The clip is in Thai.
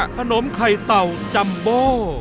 ขนมไข่เต่าจัมโบ